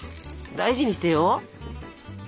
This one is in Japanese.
大事にしてよ。